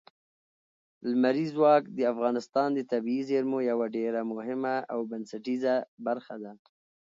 لمریز ځواک د افغانستان د طبیعي زیرمو یوه ډېره مهمه او بنسټیزه برخه ده.